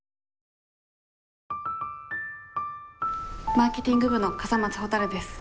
マーケティング部の笠松ほたるです。